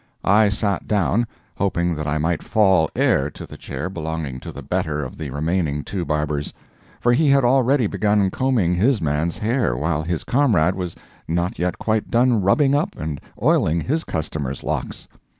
I sat down, hoping that I might fall heir to the chair belonging to the better of the remaining two barbers, for he had already begun combing his man's hair, while his comrade was not yet quite done rubbing up and oiling his customer's locks.